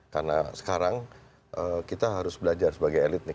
karena sekarang kita harus belajar sebagai elit nih